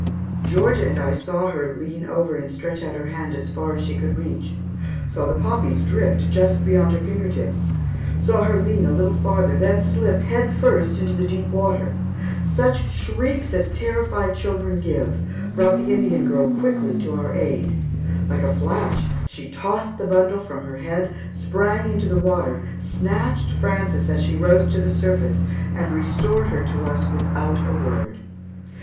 Georgia and I saw her lean over and stretch out her hand as far as she could reach; saw the poppies drift just beyond her finger tips; saw her lean a little farther, then slip, head first, into the deep water. Such shrieks as terrified children give, brought the Indian girl quickly to our aid. Like a flash, she tossed the bundle from her head, sprang into the water, snatched Frances as she rose to the surface, and restored her to us without a word.